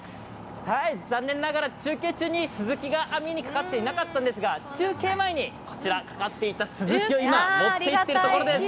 残念ながら中継中にスズキが網にかかっていなかったんですが、中継前にこちら、かかっていたスズキを今、持っていっているところです。